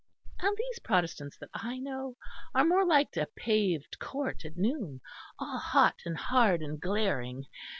And these Protestants that I know are more like a paved court at noon all hot and hard and glaring.